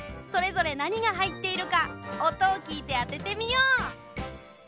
それぞれなにがはいっているかおとをきいてあててみよう。